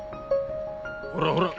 ほらほら